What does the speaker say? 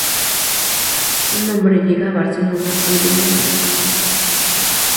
Un hombre llega a Barcelona huyendo de la justicia.